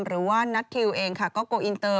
หรือว่านัททิวเองค่ะก็โกอินเตอร์